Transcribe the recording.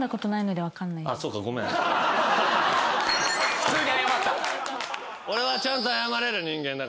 ・普通に謝った。